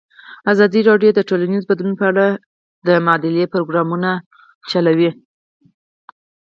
ازادي راډیو د ټولنیز بدلون په اړه د معارفې پروګرامونه چلولي.